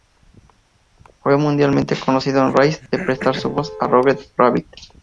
Fue mundialmente conocido a raíz de prestar su voz a Roger Rabbit.